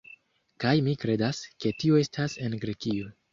Kaj mi kredas, ke tio estas en Grekio